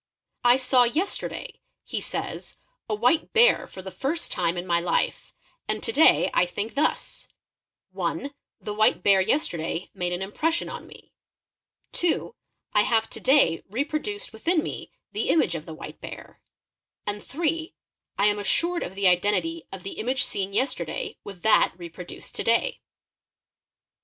| "T saw yesterday," he says, 'a white bear for the first time in my 4 hfe, and to day I think thus, (1) the white bear yesterday made an im _ pression on me; (2) I have to day reproduced within me the image of the white bear; and (8) I am assured of the identity of the image seen Be cstcrday with that reproduced to day.